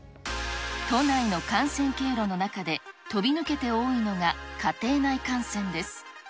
都内の感染経路の中で、飛び抜けて多いのが、家庭内感染です。